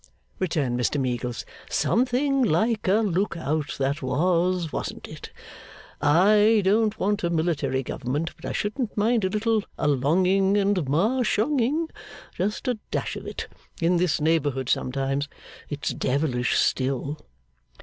returned Mr Meagles. 'Something like a look out, that was, wasn't it? I don't want a military government, but I shouldn't mind a little allonging and marshonging just a dash of it in this neighbourhood sometimes. It's Devilish still.